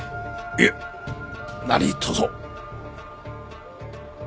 いえ何とぞ。